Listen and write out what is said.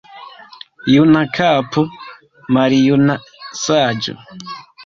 Juna kapo, maljuna saĝo.